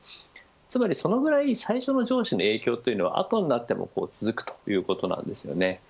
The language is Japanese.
つまりそのぐらい、最初の上司の影響というのは、後になっても続くということなんですよね。